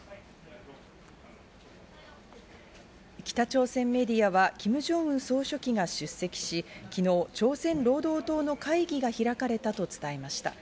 北朝鮮メディアはキム・ジョンウン総書記が出席し、昨日、朝鮮労働党の会議が開かれたと伝えました。